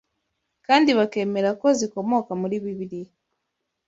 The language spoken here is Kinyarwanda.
kandi bakemera ko zikomoka muri Bibiliya